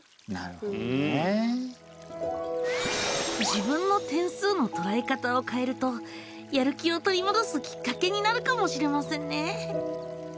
自分の点数のとらえ方を変えるとやる気を取り戻すきっかけになるかもしれませんね！